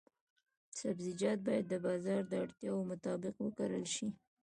سبزیجات باید د بازار د اړتیاوو مطابق وکرل شي.